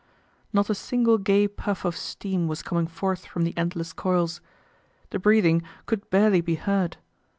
Not a single gay puff of steam was coming forth from the endless coils. The breathing could barely be heard.